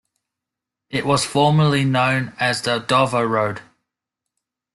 It was formerly known as the Dover Road.